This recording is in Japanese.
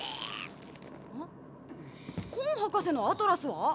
あっコン博士のアトラスは？